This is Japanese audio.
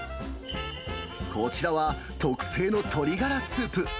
こちらは、特製の鶏がらスープ。